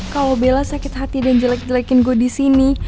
kalo bella sakit hati dan jelek jelekin gue disini